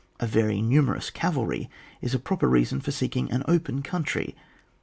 A very numerous cavalry is a proper reason for seeking an open coun try.